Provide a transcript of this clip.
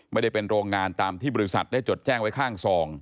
ไม่ได้เป็นโรงงานตามที่บริษัทได้จดแจ้งไว้ข้างซอง